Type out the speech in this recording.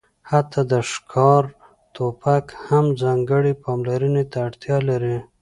حتی د ښکار ټوپک هم ځانګړې پاملرنې ته اړتیا لري